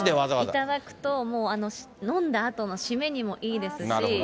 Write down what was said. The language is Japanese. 頂くと、飲んだあとの締めにもいいですし。